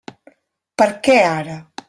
Per què ara?